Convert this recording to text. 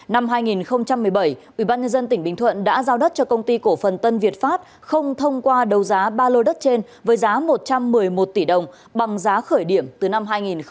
năm hai nghìn một mươi bảy ubnd tỉnh bình thuận đã giao đất cho công ty cổ phần tân việt pháp không thông qua đấu giá ba lô đất trên với giá một trăm một mươi một tỷ đồng bằng giá khởi điểm từ năm hai nghìn một mươi bảy